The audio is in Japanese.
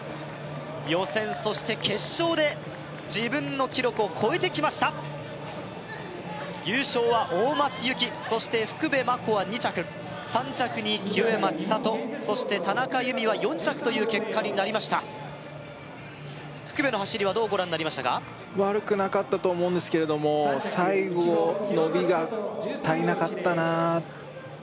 予選そして決勝で自分の記録を超えてきました優勝は大松由季そして福部真子は２着３着に清山ちさとそして田中佑美は４着という結果になりました福部の走りはどうご覧になりましたか悪くなかったと思うんですけれども最後伸びが足りなかったなあ